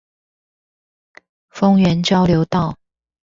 豐原交流道